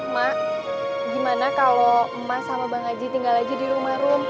mak gimana kalau emak sama bang haji tinggal aja di rumah rum